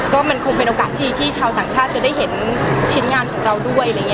ก็มันคงเป็นโอกาสที่ชาวต่างชาติจะได้เห็นชิ้นงานของเราด้วย